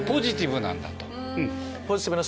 ポジティブに。